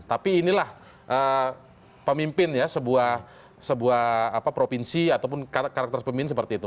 tapi inilah pemimpin ya sebuah provinsi ataupun karakter pemimpin seperti itu